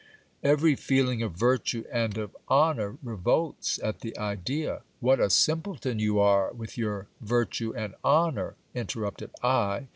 Every feeling of virtue and of honour revolts at the idea. ... What a simpleton you are with your virtue and honour ! interrupted I.